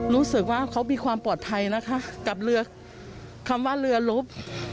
รู้สึกว่าเขามีความปลอดภัยนะคะกับเรือคำว่าเรือลบ